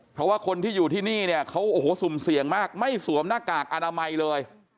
เพราะว่าคนที่อยู่ที่นี่เนี่ยเขาโอ้โหสุ่มเสี่ยงมากไม่สวมหน้ากากอนามัยเลย